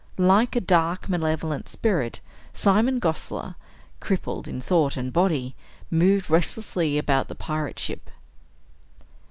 Like a dark malevolent spirit, Simon Gosler, crippled in thought and body, moved restlessly about the pirate ship.